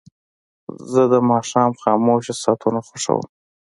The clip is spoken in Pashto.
زه د ماښام خاموشه ساعتونه خوښوم.